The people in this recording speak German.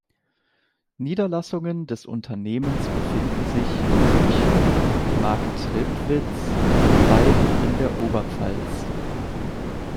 Niederlassungen des Unternehmens befinden sich in München, Marktredwitz, Weiden in der Oberpfalz.